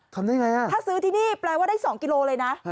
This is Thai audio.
ทำได้ไงถ้าซื้อที่นี่แปลว่าได้๒กิโลเลยนะ